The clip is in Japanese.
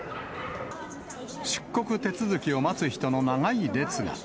出国手続きを待つ人の長い列が。